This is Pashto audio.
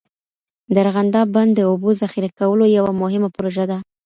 د ارغنداب بند د اوبو ذخیره کولو یوه مهمه پروژه ده.